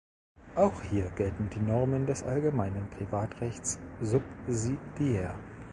Auch hier gelten die Normen des allgemeinen Privatrechts subsidiär.